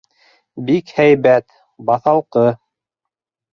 Бик һәйбәт, баҫалҡы.